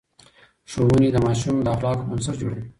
ښوونې د ماشوم د اخلاقو بنسټ جوړوي.